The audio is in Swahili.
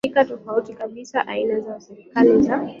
wa Mashariki na ni tofauti kabisa na aina za serikali za